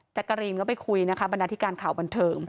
จักรีนก็ไปคุยนะคะบันดาลที่การข่าวบันเทิม